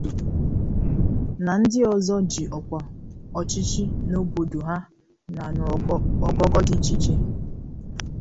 na ndị ọzọ ji ọkwa ọchịchị n'obodo ha na n'ogoogo dị iche iche.